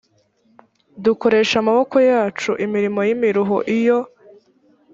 dukoresha amaboko yacu imirimo y imiruho iyo